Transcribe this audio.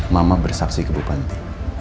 mama bersaksi ke bupanti